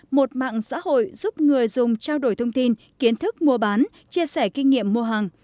một mạng xã hội giúp người dùng trao đổi thông tin kiến thức mua bán chia sẻ kinh nghiệm mua hàng